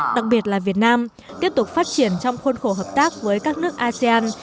đặc biệt là việt nam tiếp tục phát triển trong khuôn khổ hợp tác với các nước asean